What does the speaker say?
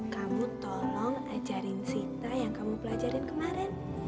kamu tolong ajarin cerita yang kamu pelajarin kemarin